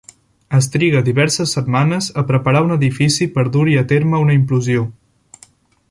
Es triga diverses setmanes a preparar un edifici per dur-hi a terme una implosió.